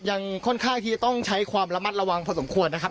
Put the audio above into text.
ยังค่อนข้างที่จะต้องใช้ความระมัดระวังพอสมควรนะครับ